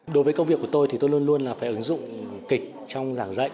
đối với công việc của tôi thì tôi luôn luôn là phải ứng dụng kịch trong giảng dạy